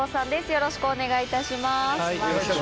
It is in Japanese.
よろしくお願いします。